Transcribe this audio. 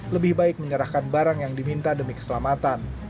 lebih baik menyerahkan barang yang diminta demi keselamatan